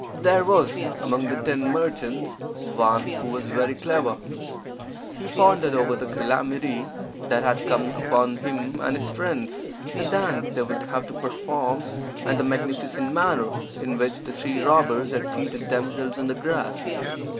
There was, among the ten merchants, one who was very clever. He pondered over the calamity that had come upon him and his friends, the dance they would have to perform, and the magnificent manner in which the three robbers had seated themselves on the grass.